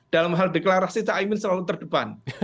dalam hal deklarasi caimin selalu terdepan